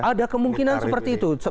ada kemungkinan seperti itu